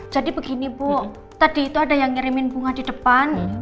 begini bu tadi itu ada yang ngirimin bunga di depan